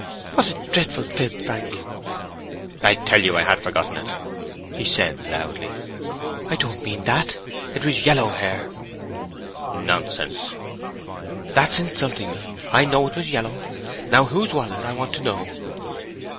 "What a dreadful fib, Frank!" "I tell you I had forgotten it!" he said, loudly. "I don't mean that—it was yellow hair." "Nonsense." "That's insulting me. I know it was yellow. Now whose was it? I want to know."